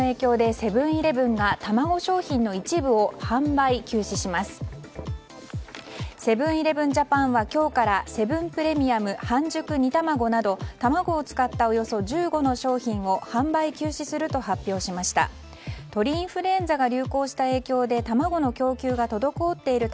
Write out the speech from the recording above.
セブン‐イレブン・ジャパンは今日からセブンプレミアム半熟煮たまごなど卵を使ったおよそ１５の商品を販売休止すると発表しました。